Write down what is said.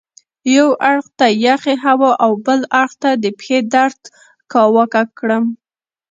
یوه اړخ ته یخې هوا او بل اړخ ته د پښې درد کاواکه کړم.